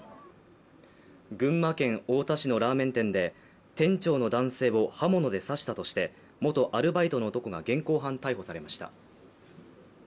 群馬県太田市のラーメン店で、店長の男性を刃物で刺したとして元アルバイトの男が現行犯逮捕されました。